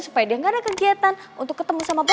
supaya dia gak ada kegiatan untuk ketemu sama bapak